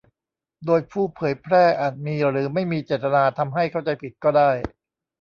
โดยผู้เผยแพร่อาจมีหรือไม่มีเจตนาทำให้เข้าใจผิดก็ได้